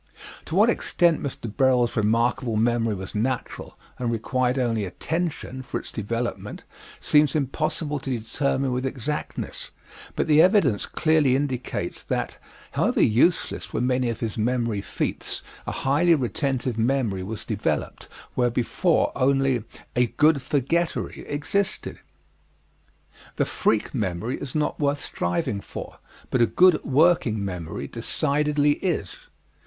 To what extent Mr. Berol's remarkable memory was natural and required only attention, for its development, seems impossible to determine with exactness, but the evidence clearly indicates that, however useless were many of his memory feats, a highly retentive memory was developed where before only "a good forgettery" existed. The freak memory is not worth striving for, but a good working memory decidedly is.